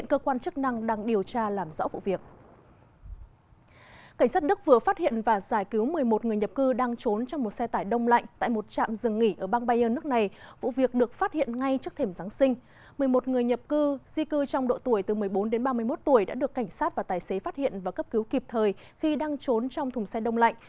một mươi một người nhập cư di cư trong độ tuổi từ một mươi bốn đến ba mươi một tuổi đã được cảnh sát và tài xế phát hiện và cấp cứu kịp thời khi đang trốn trong thùng xe đông lạnh